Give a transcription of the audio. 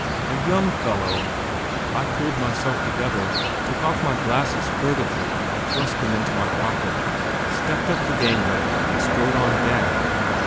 "A young fellow!" I pulled myself together, took off my glasses furtively and thrust them into my pocket, stepped up the gangway, and strode on deck.